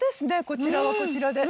こちらはこちらで。